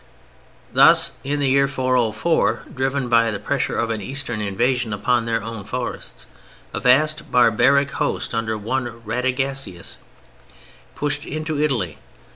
] Thus in the year 404, driven by the pressure of an Eastern invasion upon their own forests, a vast barbaric host under one Radagasius pushed into Italy.